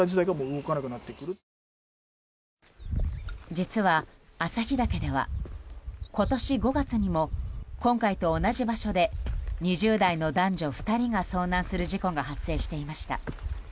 実は、朝日岳では今年５月にも今回と同じ場所で２０代の男女２人が遭難する事故が発生していました。